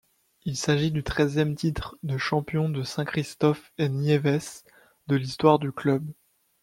Il s’agit du treizième titre de champion de Saint-Christophe-et-Niévès de l'histoire du club.